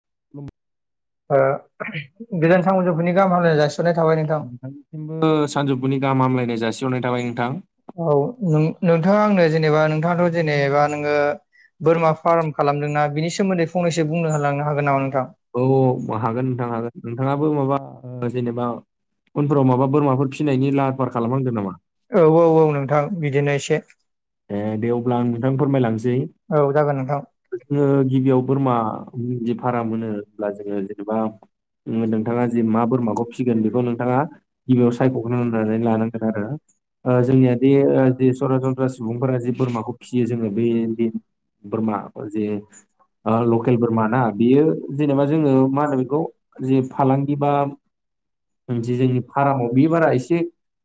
[unintelligible] ओ गोजोन सानजौफुनि गाहाम हामलायनाय जासि नोंथांनिसिमबो सानजौफुनि गाहाम हामलायनाय जासिहरनाय थाबाय नोंथां औ नों नोंथाङा आंनो जेनेबा नोंथाङाथ' जेनेबा नोङो बोरमा फाराम खालामदोंना बिनि सोमोन्दै फंनैसो बुंना होलांनो हागोन नामा नोंथां औ हागोन नोंथां हागोन नोंथाङाबो माबा ओ जेनेबा उनफोराव माबा बोरमाफोर फिसिनायनि ला औ औ औ नोंथां बिदिनो एसे ए दे अब्ला आं नोंथां फोरमायलांसै औ जागोन नोंथां जोङो गिबियाव बोरमादि भाराम होनो होनब्ला जोङो जेनेबा ओ जि मा बोरमाखौ फिगोन बेखौ नोंथाङा गिबियाव सायख'गोरनानै लानांगोन आरो जोंनिया बे ओ बे सरासन सुबुंफोरा जे बोरमाखौ फियो जोङो बे बोरमा जे ओ लकेल बोरमा ना बियो जेनेबा जोङो मा होनो बेखौ जे फालांगि बा जे जोंनि फारामाव बे बारा एसे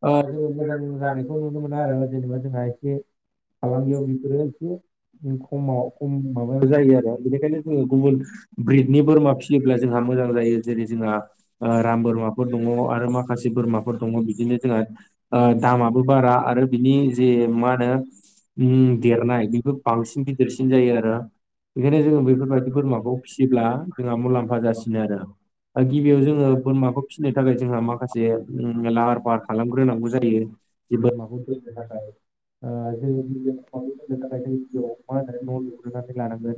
ओ जोङो मोजां जानायखौ नुनो मोना आरो जेनेबा जोंहा ए फालांगियाव बेफोरो एसे खमाव खम माबायाव जायो आरो बेनिखायनो जोङो गुबुन ब्रिदनि बोरमा फिसियोब्ला जोंहा मोजां जायो जेरै जोंहा राम बोरमाफोर दङ आरो माखासे बोरमाफोर दङ बिदिनो जोंहा ओ दामाबो बारा आरो आरो बिनि जे मा ओम देरनाय बेबो बांसिन गिदिरसिन जायो आरो बेखायनो जोङो बेफोरबायदि बोरमाखौ फिसिब्ला जोंहा मुलाम्फा जासिनो आरो ओ गिबियाव जोङो बोरमाखौ फिसिनो थाखाय जोंहा माखासे ओम लाहार फाहार खालामग्रोनांगौ जायो जे बोरमाखौ थाखाय ओ जोङो बोरमाखौ दोननो थाखाय जों [unintelligible] गिबियाव मा होनो न' लुग्रोनानै लानांगोन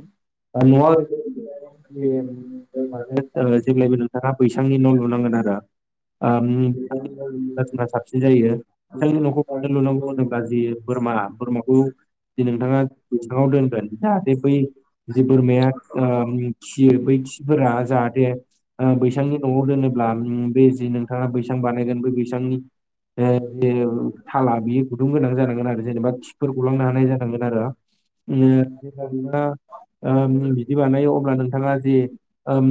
ओ न'आ ओरै जे [unintelligible] न'लुनांगोन आरो आओम [unintelligible] साबसिन जायो बिथांनि न'खौ साबसिन लुनांगौबा जों गाज्रियो बोरमा बोरमाखौ जे नोंथाङा बैसाङाव दोनगोन जाहाथे बै जे बोरमाया [unintelligible] ओम खियो बै खिफोरा जाहाथे ओ बैसांनि [unintelligible] न'आव दोनोब्ला बे जि नोंथाङा बैसां बानायगोन बेै बैसांनि [unintelligible] थाला बेयो गुदुं गोनां जानांगोन आ जेनेबा खिफोर गलांनो हानाय जानांगोन ओ जेब्ला नोथांङा ओ [unintelligible] बिदि बानायो अब्ला नोंथाङा जि ओम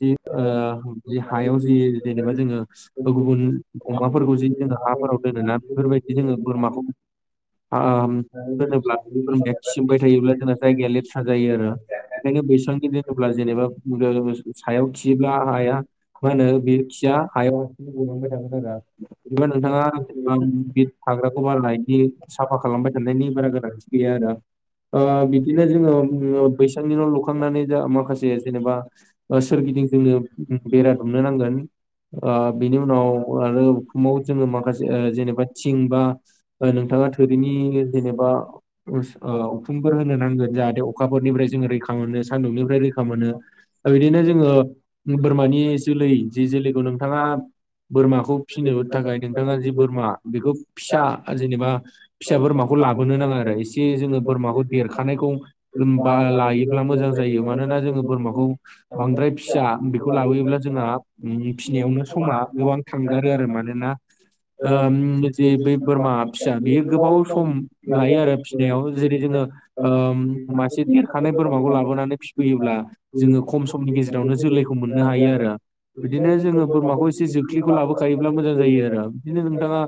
जि ओ जि हायाव जि जेनेबा जोङो गुबुन अमाफोरखौ जि जोङो हाफोराव दोनो ना बेफोरबाय दि जोङो बोरमाखौ ओम दोनोब्ला बोरमाया खिमबाय थायोब्ला जोंना जायगाया लेथ्रा जायो आरो ओंखायनो बैसांनि दोनोब्ला जेनेबा [unintelligible] सायाव खियोब्ला हाया मा होनो बे खिया हायाव हारसिं गलांबाय थागोन आरो बिबा नोंथाङा जेनबा [unintelligible] हाग्राखौ बारा इदि साफा खालामबाय थानायनि बारा गोनांथि गैया आरो ओ बिदिनो जोङो बैसांनि न' लुखांनानै जा माखासे जेनेबा ओ सोरगि दिं जोङो बेरा दुमनो नांगोन। ओ बिनि उनाव आरो उखुमाव जोङो माखासे ओ जेनेबा थिं बा ओ नोंथाङा गोदैनि जेनेबा उस ओ उखुमफोर होनो नांगोन जाहाथे अखाफोरनिफ्राय जोङो रैखामोनो ओ सादुंनिफ्रा रैखा मोनो बिदिनो जों बोरमानि ए जोलै जि जोलैखौ नोंथाङा बोरमाखौ फिसिनो थाखाय नोंथाङा जि बोरमा बेखौ फिसा जेनेबा फिसा बोरमाखौ लाबोनो नाङा आरो एसे जोङो बोरमाखौ देरखानायखौ ओम बा लायोब्ला मोजां जा [unintelligible] मानोना जों बोरमाखौ बांद्राय फिसिया बिखौ लाबोयोब्ला जोंहा फिसिनायावनो समा गोबां थांगारो आरो मानोना ओम जि बै बोरमा फिसानि गो बाव सम लायो आरो फिसिनायाव जेरै जोङो ओ मासे देरखानाय बोरमाखौ लाबोना नानै फिसियोब्ला जोङो खम समनि गेजेरावनो जोलैखौ मोननो हायो आरो। बिदिनो जोङो बोरमाखौ एसे जोख्लिखौ लाबोखायोब्ला मोजां जायो आरो बिदिनो नोंथाङा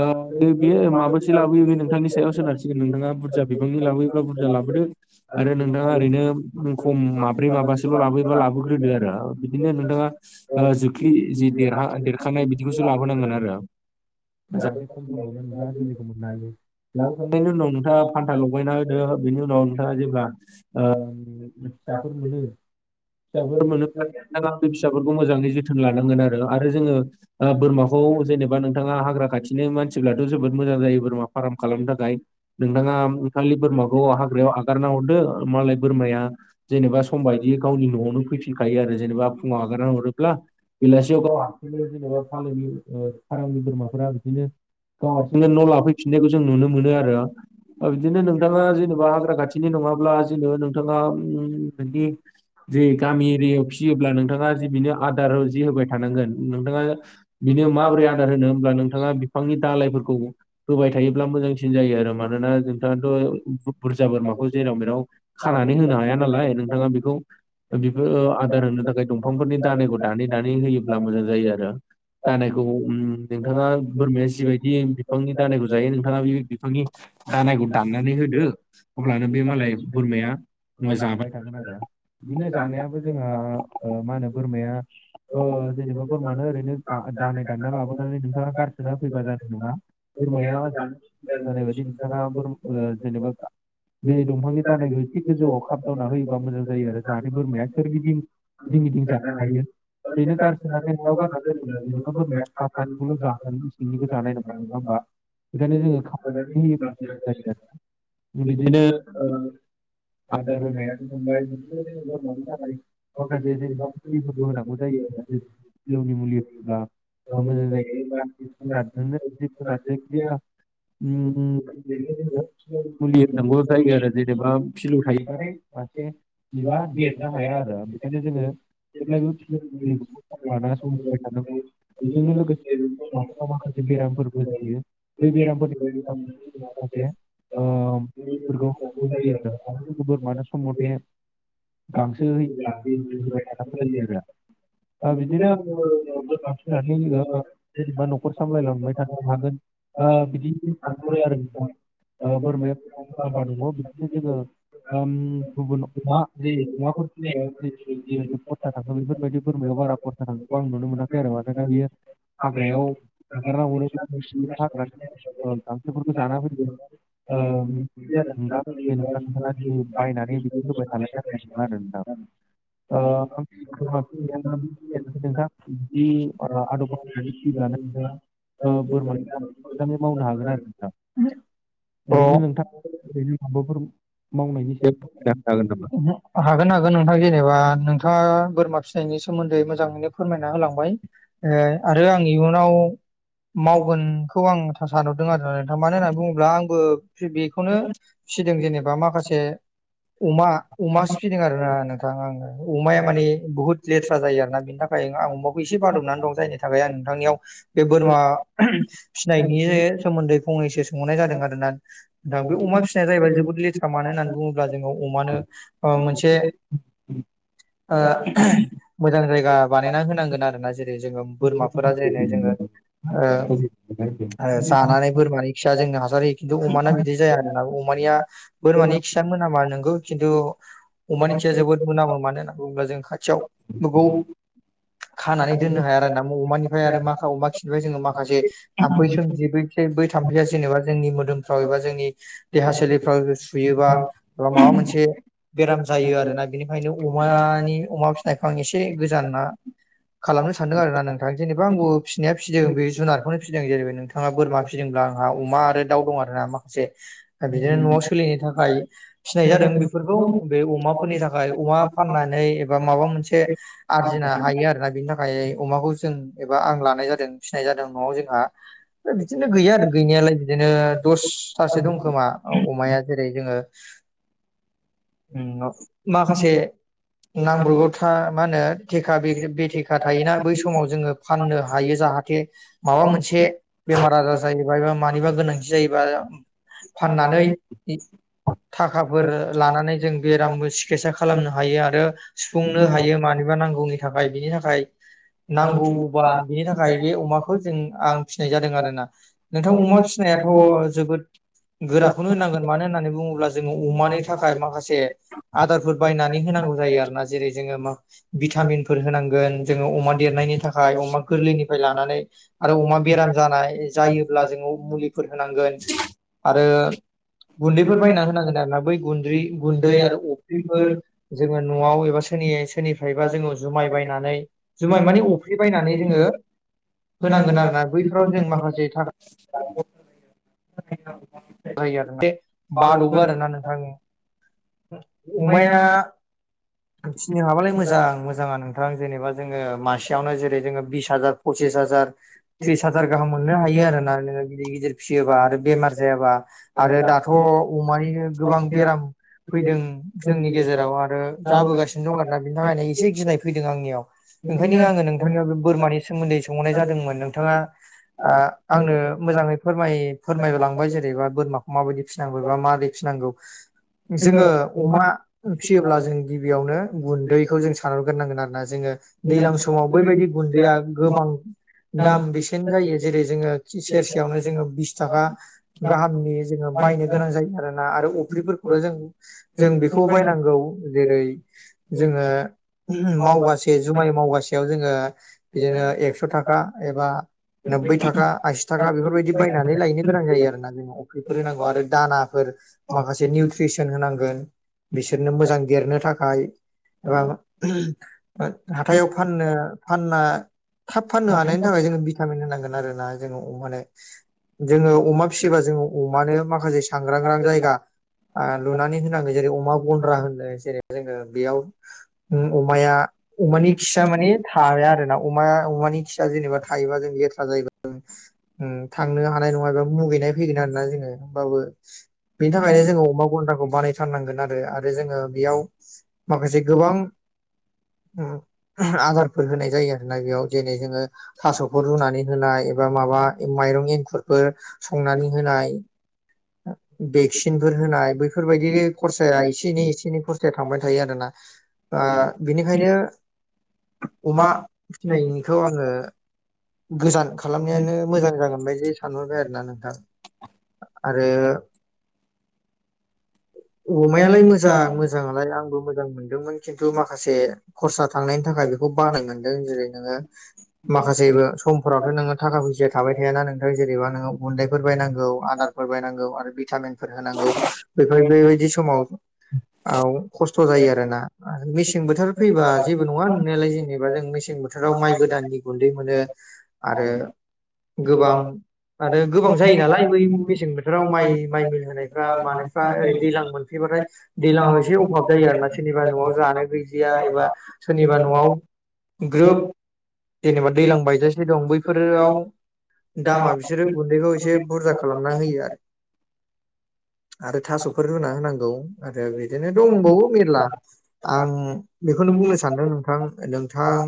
ओ [unintelligible] बि माबा से लाबोयो बे नोंथांनि सायाव सोनारसिगोन नोंथाङा बुरजा बिफांनि लाबोयोबा बुरजा लाबोद आरो नोंथाङा ओरैनो खम माब्रै माबासोल' लाबोयोबा लाबोग्रोदो आरो बिदिनो नोंथाङा ओ जुख्लि जि देरहा देरखानाय बिदिखौसो लाबोनांगोन आरो जाहाथे खम समावनो नोंथांङा जोलैखौ मोननो हायो। लाबोखांनायनि उनाव नोंथाङा फान्था लगायना होदो बेनि उनाव नोंथाङा जेब्ला ओ फिसाफोर मोनो फिसाफोर मोनो [unintelligible] फिसाफोरखौ मोजाङै जोथोन लानांगोन आरो जोङो ओ बोरमाखौ जेनेबा नोंथाङा हाग्रा खाथिनो मानसिथ'ब्ला जोबोद मो मोजां जायो बोरमा फ्राम खालामनो थाखाय नोंथाङा खालि बोरमाखौ हाग्रायाव आगारना हरदो मा लाय बोरमाया जेनेबा सम बायदियै गावनि न'आवनो फैफिनखायो आरो जेनेबा फुंङाव हगारना हरोब्ला बेलासियाव गाव हारसिंनो जेनेबा फालोनि ओ फारामनि बोरमाफोरा बिदिनो गाव हार न' लाफैफिननायखौ जों नुनो मोनो आरो ओ बिदिनो नोंथाङा जेनेबा हाग्रा खाथिनि नङाब्ला जेनेबा नोंथाङा बेबदि जे गामि एरियायाव फिसियोब्ला नोंथां बा आदार जि होबाय थानांगोन नोंथाङा बिनो माब्रै आदार होनो होब्ला नोंथाङा बिफां नि दालाय फोर खौ होबाय थायोब्ला मोजांसिन जायो आरो मानोना नोंथाङाथ' बुरजा बोरमाखौ जेराव मेराव खानानै होनो हाया नालाय नोंथाङा बेखौ बेफोर आदार होनो थाखाय दं फांफोरनि दानायखौ दानै दानै होयोब्ला मोजां जायो आरो दानायखौ नोंथाङा बोरमाया जिबायदि जि बिफांनि दानायखौ जायो नोंथाङा बे बिफांनि दानायखौ दाननानै होदो अब्लानो बे मालाय बोरमाया ओ जाबाय थागोन आरो बिदिनो जानायाबो जोंहा। ओ मा होनो बोरमाया ओ जेनेबा बोरमानो ओरैनो दानाय दानना लाबोनानै नोंथाङा गारस। ना फैबा। नङा बोरमाया जानो जानाय बायदि जेनेबा। नोंथाङा बोर ओ जेनेबा बे बे दंफांनि जोंनो दानायखौ एसे गोजौआव जानो खाबदावना होयोबा मोजां जायो आरो जाहाथे बोरमाया। बोरमाया सोरगिदिं जायोना गिदिं गिदिं जानो हायो मायो। ओरैनो गारसोनानै हायाव गारना दोनोब्ला जेनेबा बोरमाया सा सानिखौल' जागोन सिंनिखौ जानाय नङा नङा होमबा बेखायनो जोङो खामनानै होयोब्ला मोजां जायो बिदिनो ओ। आदार आदाज होनाय आ बोरमानि जोंथ। थाखाय बबे माखासे जेनेबा गेजेर मुलिफोरबो होनांगौ जायो नालाय। फिलौनि होनानै मुलि होयोब्ला बुंनाय जायो। जाब नोंनो गिब होनानै ओम। मुलि होननांगौ जायो आरो जेनेबा फिल् थायोब्लाथाय मानसियास बेयो देरनो हाया आरो। ओंखायनो जोङो जेब्लायबो फिल लानानैबाय थानांगौ बेजोंनो लोगोसे। माबबा माखासे बेरामफोरबो जायो बै बेरामफोरनि माखासे। ओ फोरखौ लोगोफोर मान सम मथे। गांसो हो बिदिनो जोङो बोरमा फिनानै ओ जेनेबा फिसिनायखौ। न'खर सामलायलांबाय थानो हागोन ओ बिदि सानहरो आरो नोंथां। ओ बोरमाया मुलाम्फा दङ बिदिनो जोङो ओम गुबुन ओ। ओ जिदि खरसा थाङो बेफोरबायदि बेरमायाव बारा खरसा थांनायखौ आं नुनो मोनाखै आरो मानोना बेयो। हाग्रायाव। हागारना हरो गांसोफोरखौ जाना फैयो ओम। बिदि आरो नोंथाङा जेनेबा बायनानै बिदि होबाय थानाय जानाय नंला नदां। ओ। बोरमा नोंथां बिदि आदब बाहायनानै फैब्लानो। बोरमा मोजाङै मावनो हागोन आरो नोंथां। अ ओरैनो नोंथां ओरैनो माबाफोर। मावनायनि सायाव फोरमायना हागोन हागोन नोंथाङा देने। जबा नोंथाङा बोरमा फिसिनायनि सोमोन्दै मोजाङैनो फोरमायना होलांबाय। ओ आरो आं इयुनाव। मावगोनखौ आं सानहरदों आरो मानो होननानै बुङोब्ला आंबो बेखौनो। फिसिदों जेनेबा माखासे अमा अमा फिदों आरो नों। थां आङो अमाया माने बुहुत लेथ्रा जायो आरोना बिनि थाखायनो आं अमाखौ एसे बानादबनानै दं जायनि थाखाय आं। नोंथांनियाव बे बोरमा फिनायनि सोमोन्दै फंनैसो सोंहरनाय जादों आरोना। दा बे अमा फिसिनाया जाहैबाय जोबोद लेथ्रा मानो होननानै बुङोब्ला जोङो अमानो ओ मोनसे। ओ मोजां जायगा बानायना होनांगोन आरो ना जेरै जोङो होनो बोरमाफोरा जेरैनो जोङो। हागोन नामा? आरो जानानै बोरमानि खिया जोंनो हासार होयो खिन्थु अमाना बिदि जाया आरोना अमानिया बोरमानि खिया मोनामा नंगौ खिन्थु अमानि खिया जोबोद मोनामो मानो होनना बुङोब्ला जों खाथियाव गोबौ खानानै दोननो हाया आरो ना अमानिफ्राय आरो माख अमा खिनिफ्राय जोङो माखासे थाम्फै सोमजियो बै बै थाम्फैया जेनेबा जोंनि मोदोमफ्राव एबा जोंनि देहा सोलेरफ्राव सुयोबाा माबा माबा मोनसे बेराम जायो आरो आरोना बेनिफ्रायायनो अमानि अमा फिसिनायखौ आं एसे गोजान ना खालामनो सानदों आरो ना नोंथा जेनेबा आंबो फिसिनाया फिसिदों बे जुनारखौनो फिसिदों जेरै नोंथाङा बोरमा फिसिदों। आहा अमा आरो दाउ दं आरोा माखासे बिदिनो न'आव सोलिनो थाखाय फिनाय जादों। बेफोरखौ बे अमा फोरनि थाखाय अमा फाननानै एबा माबा मोनसे आरजिनो हायो आरोना बिनि थाखाय अमाखौ जों एबा आं लानाय जादों फिसिनाय जादों न'आव जोंहा। दा बिदिनो गैया आरो गैनायालाय बिदिनो दसथासो दं खोमा अमाया जेरै जोङो। माखासे नांब्रगाव था मा होनो थेखा बे बेथेखा थायोना बै समाव जोङो फाननो हायो जाहाथे माबा मोनसे बेमार आजार जायोबा एबा मानिबा गोनांथि जायोबा फाननानै थाखाफोर लानानै जों बेरामबो सिकितसा खालामनो हायो आरो। सुफुंनो हायो मानबा नांगौनि थाखाय बिनि थाखाय नांगौबा बिनि थाखाय बे अमाखौ जों आं फिसिनाय जादों आरोना नोंथां अमा फिसिनाय गोराखौनो होनांगोन मानो होननानै बुङोब्ला जोङो अमानि थाखाय माखासे। आदारफोर बायनानै होनांगौ जायो आरो ना जेरै जोङो म भिटामिनफोर होनांगोन जोङो अमा देरनायनि। थाखाय अमा गोरलैनिफ्राय लानानै आरो अमा बेराम जानाय जायोब्ला जो मुलिफोर होनांगोन आरो गुन्दैफोर बायना होनांगोन आरोना बै गुन्द्रि गुन्दै आरो अ बिफोर जोङो न'आव एबा सोरनि सोरनिफ्रायबा जोङो जुमाय बायनानै होनांगोन आरोना बैफोराव जों माखासे थाखा जायो आरो दे बाद'बो आरोना नोंथां। अमाया फिनो हाबालाय मोजां मोजाङा नोंथां जेने। बा जोङो मासेयावनो जेरै जोङो बिस हाजार पसिस हाजार थ्रिस हाजार गाहाम मोननो हायो आरोना नोङो गिदिर गिदिर फिसियोबा आरो बेमार जायाबा। आरो दाथ' अमानि गोबां बेराम फैदों जोंनि गेजेराव आरो जाबोगासिनो दं ओंखायनो आङो नोंथांनियाव बोरमानि सोमोन्दै सोंहरनाय जादोंमोन नोंथाङा। आंनो मोजाङै फोर फोरमायलांबाय जेनेबा बोरमाखौ माबायदि फिसिनांगौबा माबोरै फिसिन नांगौ। जोङो अमा फिसियोब्ला जों गिबियावनो गुन्दैखौ जों सानहरग्रोनांगोन आरो ना जोङो। दैलां समाव बैबायदि गुन्दैया गोबां दाम बेसेन जायो। जेरै जोङो सेरसेयावनो जोङो बिस थाखा गाहामनि जोङो बायनो गोनां जायो आरो ना। आरो अफ्रिफोरखौनो जों जों बेखौ बायनांगौ जेरै जोङो। मावगासे जुमाय मावगासेयाव जोङो बिदिनो एक्स' थाखा एबा। नोब्बै थाखा आसि थाखा बेफोरबायदि बायनानै लायनो गोनां जायो आरोना जोंङो अख्रिफोर होनांगौ आरो दानाफोर। माखासे फेसेन होनांगोन बिसोरनो मोजां देरनो थाखाय ओ हाथायाव फाननो फानना थाब फाननो हानायनि थाखाय जोङो भिटामिन होनांगोन। आरोना जोंङो अमोनो जोङो अमा फिसियोबा जोङो अमानो माखासे सांग्रां ग्रां जायगा। आ लुनानै होनांगो जेरै अमा गन्द्रा होनो जेरै जोङो बेयाव अमाया अमानि खिया माने थाया आरो ना अमा अमानि खिया जेनेबा थायोबा जों लेथ्रा जायो। [unintelligible] उम थांनो हानाय नङा एबा मुगैनाय फैगोन आरोना जोङो होमबाबो औ [unintelligible] अमा गन्दाखौ बानायथारनांगोन आरो आरो जोङो बेयाव माखासे गोबां [unintelligible] आदारफोर होनाय जायो आरो ना बेयाव जेरै जोङो थास'खौ रुनानै होनाय माबा मायरं ऐंखुरफोर संनानै होनाय बैफोर होनाय बेैफोरबायदि खरसाया एसे एनै एसे एनै खरसाया थांबाय थायो आरोना आ बिनिखायनो अमा फिखौ आङो गोजान खालामनायानो मोजां जागोन बायदि सानहरबाय आरोना नोंथां आरो अमायालाय मोजां मोजाङालाय आंबो मोजां मोनदोंमोन खिन्थु माखासे खरसा थांनायनि थाखाय बेखौ बानाय मोनदों जेरै नोङो माखासेबो समफोरावथ' नोङो थाखा फैसाया थाबाय थायाना नोंथां जेनेबा नोङो गुन्दायफोर बायनांगौ आदारफोर बायनांगौ आरो भिटामिनफोर होनांगौ बेफोर बेबायदि समाव औ खस्थ' जायो आरो ना मेसें बोथोर फैबा जेबो नङा नंनायालाय जेनेबा जों मेसें बोथोराव माइ गोदाननि गुन्दै मोनो आरो गोबां आरो गोबां जायो नालाय बै मेसें बोथोराव माइ माइ मिल होनायफ्रा मानायफ्रा ओरै दैज्लां मोनफैबाथाय दैज्लांआव एसे अभाब जायो आरो ना सोरनिबा न'आव जानो गैजाया एबा सोरनिबा न'आव ग्रोब जेनेबा दैज्लां बायजासे दं बैफोराव दामा बिसोरो गुन्दैखौ एसे बुरजा खालामना होयो आरो आरो थास'फोर रुना होनांगौ आरो बिदिनो दंबावो मेरला आं बेखौनो बुंनो सानदों नोंथां नोंथां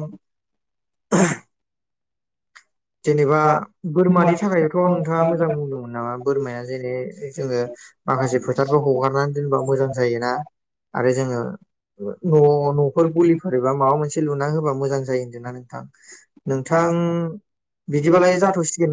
[inaudible] जेनेबा बोरमानि थाखायथ' नोंथाङा मोजां बुंदोंमोन नामा बोरमाया जेने जोङो माखासे फोथारखौ हगारनानै दोनबा मोजां जायोना आरो जोङो न' न'फोर गलिफोर एबा माबा मोनसे लुना होबा मोजां जायो होनदोंना नोंथां नोंथाङा थां बिदिबालाय जाथ'सिगोन ना